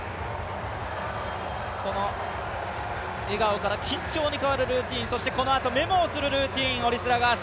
この笑顔から緊張に変わるルーチン、そしてこのあとメモをするルーティン、オリスラガース。